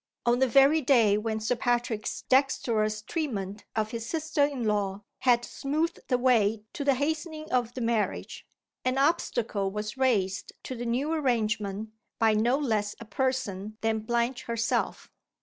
On the very day when Sir Patrick's dextrous treatment of his sister in law had smoothed the way to the hastening of the marriage, an obstacle was raised to the new arrangement by no less a person than Blanche herself.